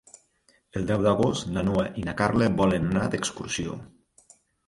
El deu d'agost na Noa i na Carla volen anar d'excursió.